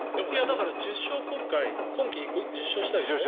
だから今季１０勝したでしょ。